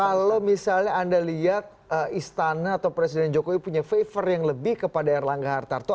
kalau misalnya anda lihat istana atau presiden jokowi punya favor yang lebih kepada erlangga hartarto